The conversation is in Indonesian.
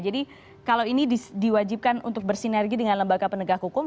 jadi kalau ini diwajibkan untuk bersinergi dengan lembaga penegak hukum